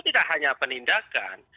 tidak hanya penindakan